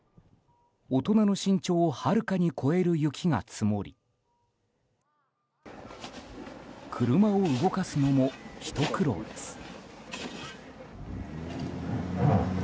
大人の身長をはるかに超える雪が積もり車を動かすのも、ひと苦労です。